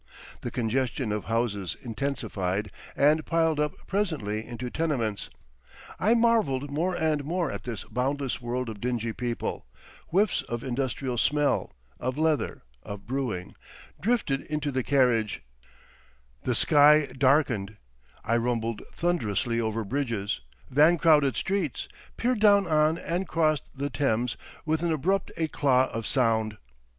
The congestion of houses intensified and piled up presently into tenements; I marveled more and more at this boundless world of dingy people; whiffs of industrial smell, of leather, of brewing, drifted into the carriage; the sky darkened, I rumbled thunderously over bridges, van crowded streets, peered down on and crossed the Thames with an abrupt eclat of sound.